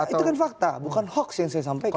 itu kan fakta bukan hoax yang saya sampaikan